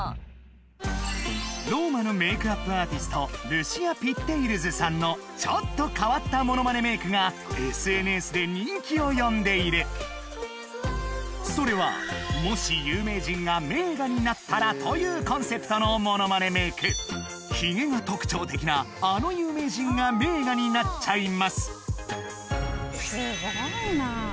ローマのメイクアップアーティストルシア・ピッテイルズさんのちょっと変わったものまねメイクがＳＮＳで人気を呼んでいるそれはというコンセプトのものまねメイクヒゲが特徴的なあの有名人が名画になっちゃいます